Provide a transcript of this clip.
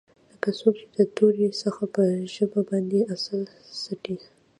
لکه څوک چې د تورې څخه په ژبه باندې عسل څټي.